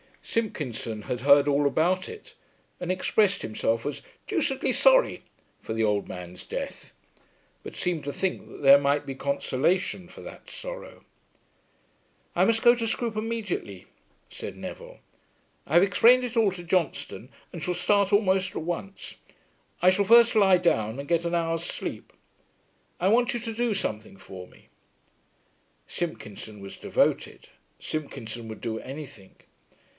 Simpkinson had heard all about it, and expressed himself as "deucedly sorry" for the old man's death, but seemed to think that there might be consolation for that sorrow. "I must go to Scroope immediately," said Neville. "I have explained it all to Johnstone, and shall start almost at once. I shall first lie down and get an hour's sleep. I want you to do something for me." Simpkinson was devoted. Simpkinson would do anything.